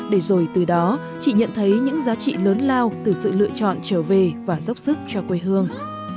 để rồi từ đó chị nhận thấy những giá trị lớn lao từ sự lựa chọn trở về và dốc sức cho quê hương